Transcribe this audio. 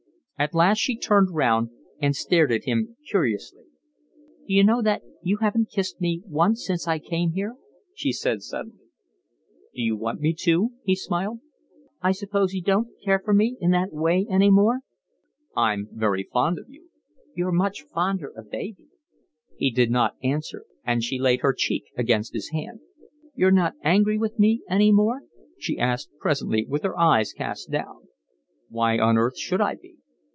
At last she turned round and stared at him curiously. "D'you know that you haven't kissed me once since I came here?" she said suddenly. "D'you want me to?" he smiled. "I suppose you don't care for me in that way any more?" "I'm very fond of you." "You're much fonder of baby." He did not answer, and she laid her cheek against his hand. "You're not angry with me any more?" she asked presently, with her eyes cast down. "Why on earth should I be?"